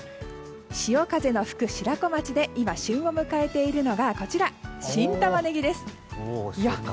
潮風の吹く白子町で今、旬を迎えているのがこちら、新タマネギです。